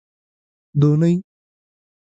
دونۍ